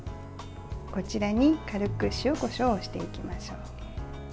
こちらに軽く塩、こしょうをしていきましょう。